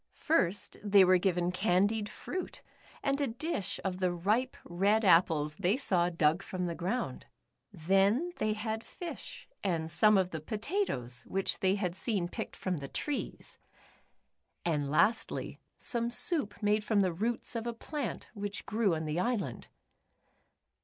First they were given candied fruit, and a dish of the ripe red apples they saw dug from the ground. Then they had fish and some of the potatoes which they had seen picked from the trees, and 154 The Upsidedownians. lastly, some soup made from the roots of a plant which grew on the island.